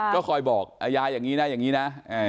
ก็คอยบอกยายอย่างนี้นะอย่างนี้นะ